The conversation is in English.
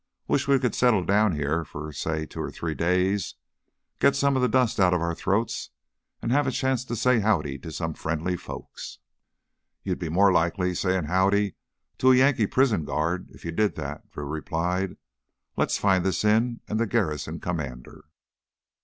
"Wish we could settle down heah for say two or three days. Git some of the dust outta our throats and have a chance to say Howdy to some friendly folks " "You'd be more likely sayin' Howdy to a Yankee prison guard if you did that," Drew replied. "Let's find this inn and the garrison commander."